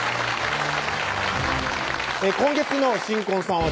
今月の新婚さんはですね